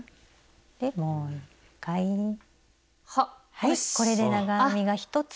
はいこれで長編みが１つ。